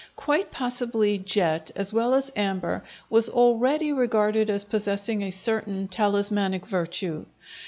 Quite possibly jet, as well as amber, was already regarded as possessing a certain talismanic virtue.